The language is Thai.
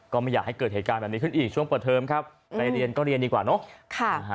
ก็ไม่อยากให้เกิดเหตุการณ์แบบนี้ขึ้นอีกช่วงเปิดเทอมครับไปเรียนก็เรียนดีกว่าเนอะ